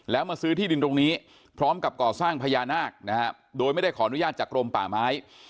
แล้วมาซื้อที่ดินตรงนี้พร้อมกับก่อสร้างพญานาคนะฮะโดยไม่ได้ขออนุญาตจากกรมป่าไม้